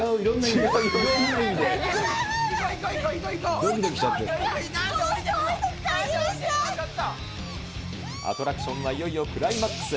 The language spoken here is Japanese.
置いてく、置いてく、アトラクションはいよいよクライマックス。